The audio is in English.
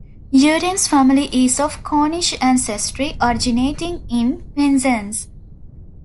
Uren's family is of Cornish ancestry, originating in Penzance.